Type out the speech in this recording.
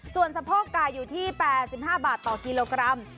ส่วนสะโพกไก่อยู่ที่๘๕บาทต่อกิโลกรัม